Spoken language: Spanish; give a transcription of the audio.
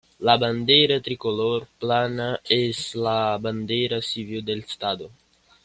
La bandera tricolor plana es la bandera civil del Estado.